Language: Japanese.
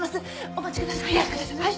お待ちください。